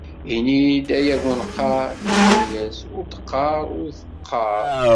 Ini-d ay abuneqqar, yenna-yas: ur d-qqareɣ, ur d-qqar.